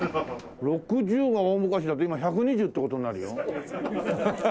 ６０が大昔だと今１２０って事になるよ。